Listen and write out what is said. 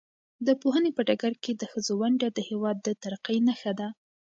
د پوهنې په ډګر کې د ښځو ونډه د هېواد د ترقۍ نښه ده.